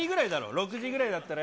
６時ぐらいだったらよ。